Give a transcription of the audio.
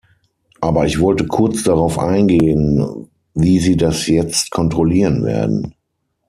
Aber ich wollte kurz darauf eingehen, wie Sie das jetzt kontrollieren werden.